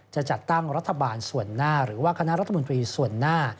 จะจัดตั้งรัฐบาลส่วนหน้าหรือว่าคณะรัฐมนตรีส่วนหน้า